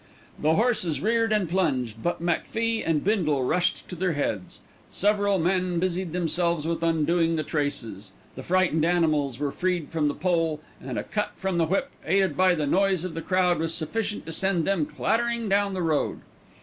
The horses reared and plunged; but McFie and Bindle rushed to their heads. Several men busied themselves with undoing the traces, the frightened animals were freed from the pole, and a cut from the whip, aided by the noise of the crowd, was sufficient to send them clattering down the road.